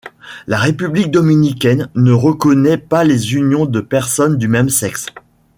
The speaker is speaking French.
La République dominicaine ne reconnaît pas les unions de personnes du même sexe.